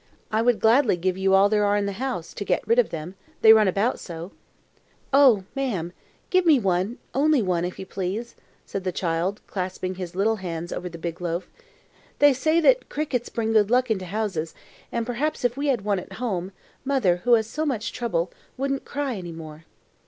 I would gladly give you all there are in the house, to get rid of them, they run about so." "O, ma'am, give me one, only one, if you please!" said the child, clasping his little thin hands under the big loaf. "They say that crickets bring good luck into houses; and perhaps if we had one at home, mother, who has so much trouble, wouldn't cry any more."